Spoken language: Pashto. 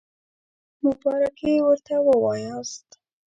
مبارکي ورته ووایاست.